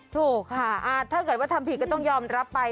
ถูกค่ะถ้าเกิดว่าทำผิดก็ต้องยอมรับไป